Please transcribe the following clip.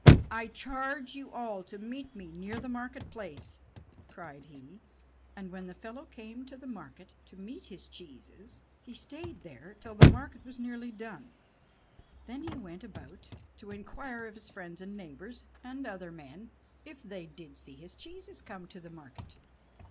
"I charge you all to meet me near the marketplace"; and when the fellow came to the market to meet his cheeses, he stayed there till the market was nearly done. Then he went about to inquire of his friends and neighbors, and other men, if they did see his cheeses come to the market.